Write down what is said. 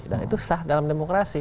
dan itu sah dalam demokrasi